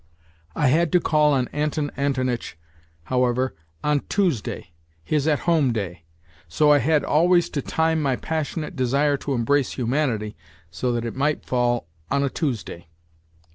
I had to call on Anton Antonitch, however, on Tuesday his at home day; so I had always to time my passionate desire to embrace humanity so that it might fall on a Tuesday.